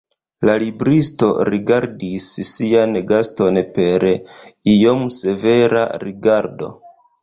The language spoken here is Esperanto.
La libristo rigardis sian gaston per iom severa rigardo.